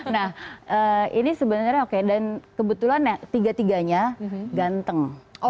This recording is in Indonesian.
nah ini sebenarnya oke dan kebetulan tiga tiganya ganteng